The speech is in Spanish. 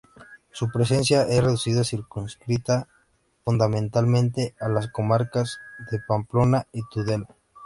Su presencia es reducida, circunscrita fundamentalmente a las comarcas de Pamplona y Tudela.